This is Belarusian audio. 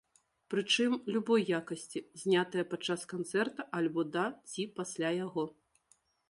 Прычым, любой якасці, знятыя падчас канцэрта, альбо да ці пасля яго.